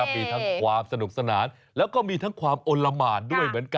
มีทั้งความสนุกสนานแล้วก็มีทั้งความอลละหมานด้วยเหมือนกัน